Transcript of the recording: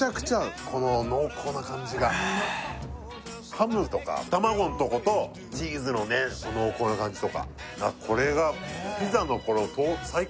ハムとか卵のとことチーズのね濃厚な感じとか